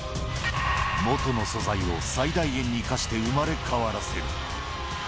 元の素材を最大限に生かして生まれ変わらせる。